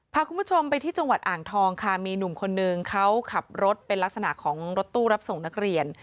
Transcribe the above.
พาคุณผู้ชมไปที่จังหวัดอ่างทองค่ะมีหนุ่มคนนึงเขาขับรถเป็นลักษณะของรถตู้รับส่งนักเรียน